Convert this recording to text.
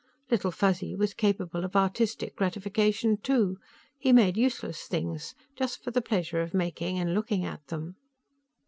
Little Fuzzy was capable of artistic gratification too. He made useless things, just for the pleasure of making and looking at them.